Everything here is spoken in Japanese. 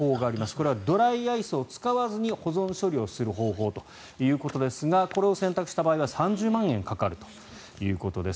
これはドライアイスを使わずに保存処理をする方法ということですがこれを選択した場合は３０万円かかるということです。